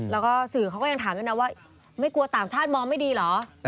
แล้วก็สื่อเขาก็ยังถามด้วยนะว่าไม่กลัวต่างชาติมองไม่ดีเหรอ